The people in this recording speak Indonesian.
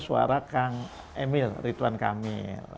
suara kang emil rituan kamil